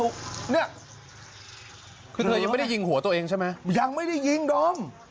ก็เคยยังไม่ได้ยิงหัวเธอเองใช่ไหมอย่างไม่ได้ยิงด้ม